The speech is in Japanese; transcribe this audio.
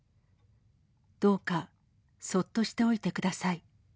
どうかそっとしておいてください。